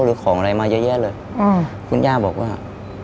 หรือของอะไรมาเยอะแยะเลยคุณย่าบอกว่า